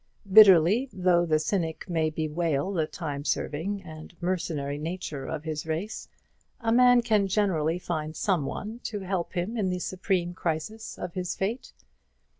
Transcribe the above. Bitterly though the cynic may bewail the time serving and mercenary nature of his race, a man can generally find some one to help him in the supreme crisis of his fate.